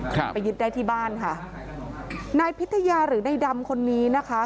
ครับไปยึดได้ที่บ้านค่ะนายพิทยาหรือในดำคนนี้นะคะ